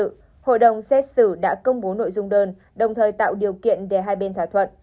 tại phiên tòa hôm nay hội đồng xét xử đã công bố nội dung đơn đồng thời tạo điều kiện để hai bên thỏa thuận